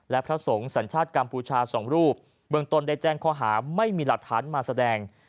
และพระสงฆ์สัญชาติกัมพูชาสองรูปเบื้องต้นได้แจ้งข้อหาไม่มีหลักฐานมาแสดง